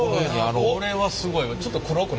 これはスゴいわ。